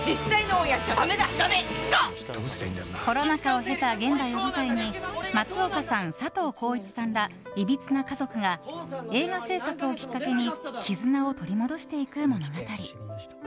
コロナ禍を経た現代を舞台に松岡さん、佐藤浩市さんらいびつな家族が映画制作をきっかけに絆を取り戻していく物語。